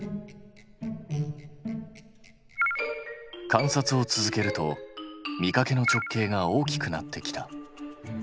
観察を続けると見かけの直径が大きくなってきた。